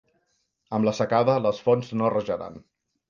Amb la secada, les fonts no rajaran.